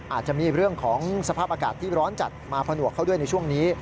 อาจจะมีเรื่องของสภาพอากาศที่ร้อนจัดมาผนวกเข้าด้วยในช่วงนี้